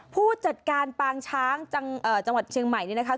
ผู้จัดการปางช้างจังหวัดเชียงใหม่นี่นะคะ